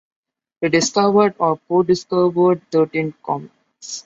He discovered or co-discovered thirteen comets.